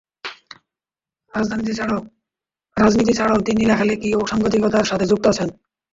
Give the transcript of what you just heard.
রাজনীতি ছাড়াও তিনি লেখালেখি ও সাংবাদিকতার সাথে যুক্ত আছেন।